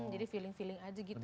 jadi feeling feeling aja gitu ya